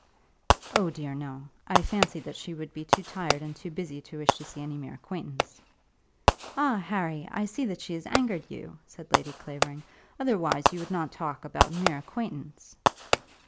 "Oh, dear, no. I fancied that she would be too tired and too busy to wish to see any mere acquaintance." "Ah, Harry, I see that she has angered you," said Lady Clavering; "otherwise you would not talk about mere acquaintance."